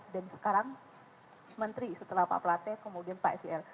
dan sekarang menteri setelah pak plate kemudian pak scl